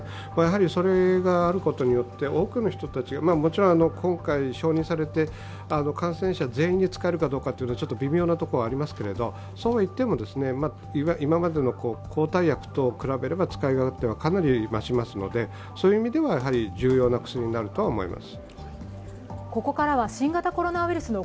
それがあることによって、多くの人たちがもちろん今回、承認されて感染者全員に使えるかどうかはちょっと微妙なところがありますが、そうはいっても今までの抗体薬と比べれば使い勝手はかなり増しますので、そういう意味では重要な薬になると思います。